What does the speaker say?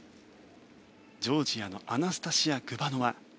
ジョージアのアナスタシヤ・グバノワ。